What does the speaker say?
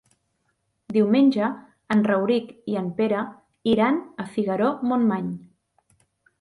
Diumenge en Rauric i en Pere iran a Figaró-Montmany.